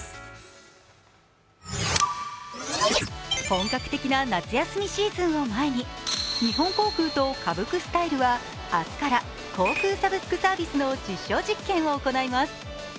本格的な夏休みシーズンを前に日本航空とＫａｂｕＫＳｔｙｌｅは明日から航空サブスクサービスの実証実験を行います。